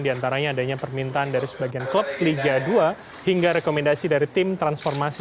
diantaranya adanya permintaan dari sebagian klub liga dua hingga rekomendasi dari tim transformasi